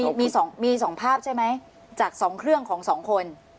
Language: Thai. ตกลงมี๒ภาพใช่ไหมจาก๒เครื่องของ๒คน